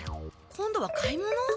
今度は買い物？